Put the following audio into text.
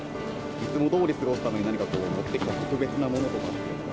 いつもどおり過ごすために、何か持ってきた特別なものとかっていうのは。